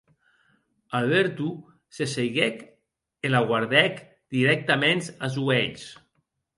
Alberto se seiguec e la guardèc dirèctaments as uelhs.